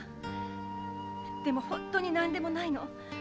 でも本当に何でもないの。